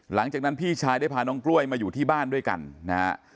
หลังจากนั้นพี่ชายได้พาน้องกล้วยมาอยู่ที่บ้านด้วยกันนะฮะ